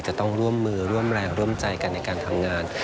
จะต้องร่วมมือร่วมแรงร่วมใจกันในการทำงาน